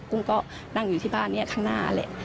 กุ้งก็นั่งอยู่ที่บ้านนี้ข้างหน้าแหละ